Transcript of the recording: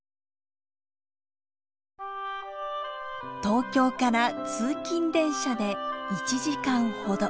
東京から通勤電車で１時間ほど。